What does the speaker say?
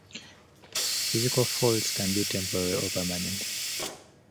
Physical faults can be temporary or permanent.